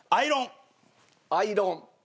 アイロン。